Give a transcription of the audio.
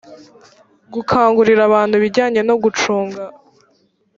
gukangurira abantu ibijyanye no gucunga